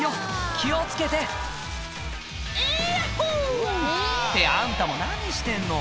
気を付けて「イヤッホ！」ってあんたも何してんの？